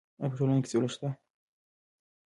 ایا په ټولنه کې سوله شته؟